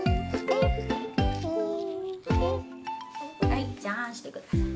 はいじゃああんしてください。